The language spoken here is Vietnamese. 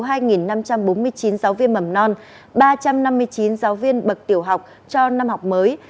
hai năm trăm bốn mươi chín giáo viên mầm non ba trăm năm mươi chín giáo viên bậc tiểu học cho năm học mới